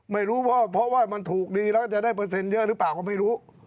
ไม่รู้เพราะว่ามันถูกดีแล้วจะได้เปอร์เซ็นต์เยอะหรือเปล่าก็ไม่รู้